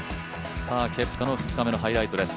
ケプカの２日目のハイライトです。